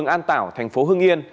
an tảo thành phố hưng yên